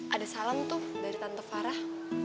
ada salam tuh dari tante farah